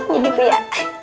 ya gitu ya